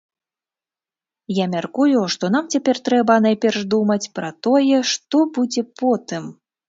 Я мяркую, што нам цяпер трэба найперш думаць пра тое, што будзе потым.